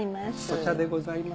お茶でございます。